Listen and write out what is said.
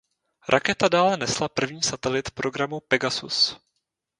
Raketa dále nesla první satelit programu Pegasus.